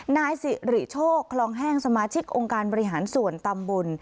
นายสิริโชคคลองแห้งสมาชิกองค์การบริหารส่วนตำบล